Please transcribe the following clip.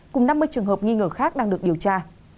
cùng năm mươi trường hợp nghi ngờ khác đang được điều tra